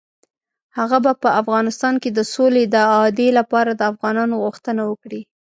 هغه به په افغانستان کې د سولې د اعادې لپاره د افغانانو غوښتنه وکړي.